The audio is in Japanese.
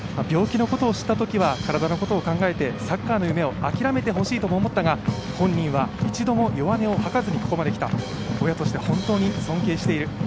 病気のことを知ったときは体のことを考えて、サッカーの夢を諦めてほしいとも思ったが本人は一度も弱音を吐かずにここまで来た、親として本当に尊敬している。